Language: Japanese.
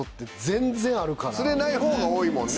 釣れない方が多いもんね。